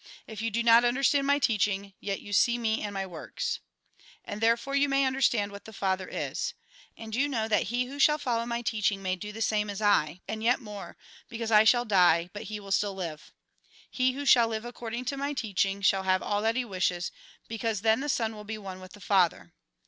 If you do not understand my teaching, yet you see me and my works. And therefore you may understand what the Father is. And you know that he who shall follow my teaching may do the same as I ; and yet more, because I shall die, but he will still live. He who shall live according to my teaching, shall have all that he wishes, because then the Son will be one with the Father.